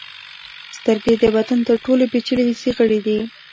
سترګې د بدن تر ټولو پیچلي حسي غړي دي.